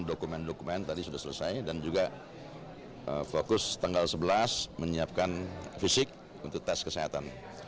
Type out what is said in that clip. dokumen dokumen tadi sudah selesai dan juga fokus tanggal sebelas menyiapkan fisik untuk tes kesehatan